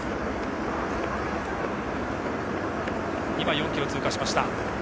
４ｋｍを通過しました。